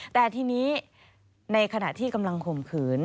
แต่ทีนี้ในขณะที่กำลังข่มขืน